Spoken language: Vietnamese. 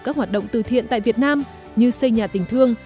các hoạt động từ thiện tại việt nam như xây nhà tình thương